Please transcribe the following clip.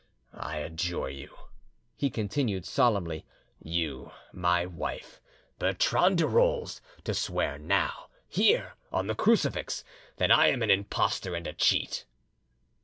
"I adjure you," he continued solemnly, "you, my wife, Bertrande de Rolls, to swear now, here, on the crucifix, that I am an impostor and a cheat."